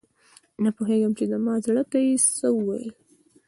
نه پوهیږم چې زما زړه ته یې څه وویل؟